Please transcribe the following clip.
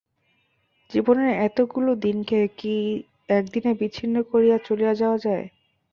জীবনের এতগুলো দিনকে কি একদিনে বিচ্ছিন্ন করিয়া চলিয়া যাওয়া যায়।